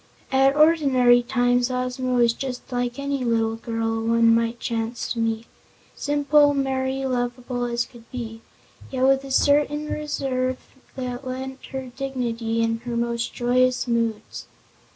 At ordinary times Ozma was just like any little girl one might chance to meet simple, merry, lovable as could be yet with a certain reserve that lent her dignity in her most joyous moods.